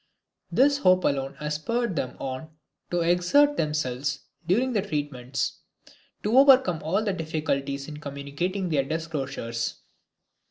This hope alone has spurred them on to exert themselves during the treatments, to overcome all the difficulties in communicating their disclosures.